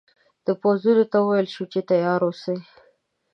د پوځونو ته وویل شول چې تیار اوسي.